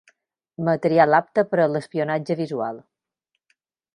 Material apte per a l'espionatge visual.